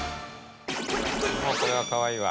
もうこれはかわいいわ。